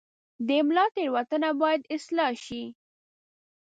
د املا تېروتنه باید اصلاح شي.